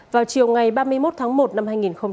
vào chiều ngày ba mươi một tháng một năm hai nghìn hai mươi